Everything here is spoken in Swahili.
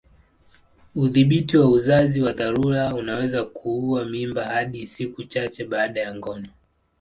Udhibiti wa uzazi wa dharura unaweza kuua mimba hadi siku chache baada ya ngono.